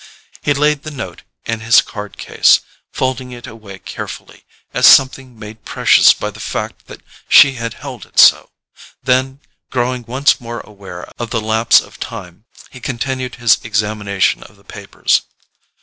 He laid the note in his card case, folding it away carefully, as something made precious by the fact that she had held it so; then, growing once more aware of the lapse of time, he continued his examination of the papers.